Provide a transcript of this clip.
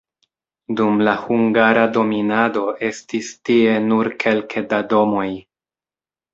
Dum la hungara dominado estis tie nur kelke da domoj.